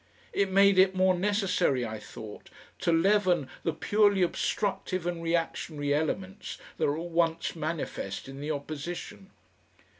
It made it more necessary, I thought, to leaven the purely obstructive and reactionary elements that were at once manifest in the opposition.